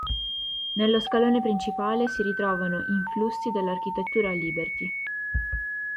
Nello scalone principale si ritrovano influssi dell'architettura liberty.